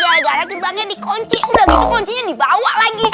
gara gara gebangnya dikunci udah gitu kuncinya dibawa lagi